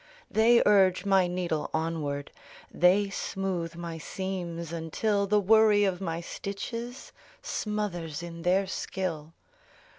They urge my needle onward, They smooth my seams, until The worry of my stitches Smothers in their skill.